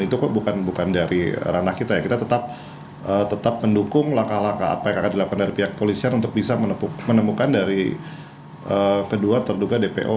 itu kok bukan dari ranah kita ya kita tetap mendukung langkah langkah apa yang akan dilakukan dari pihak polisian untuk bisa menemukan dari kedua terduga dpo